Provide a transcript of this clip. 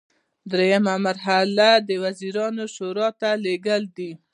دریمه مرحله د وزیرانو شورا ته لیږل دي.